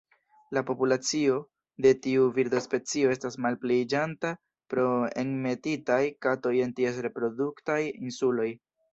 La populacio de tiu birdospecio estas malpliiĝanta pro enmetitaj katoj en ties reproduktaj insuloj.